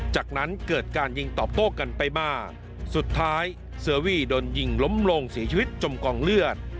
จากนั้นเกิดการยิงตอบโต้กันไปมาสุดท้ายเซอร์วี่โดนยิงล้มลงเสียชีวิตจมกองเลือด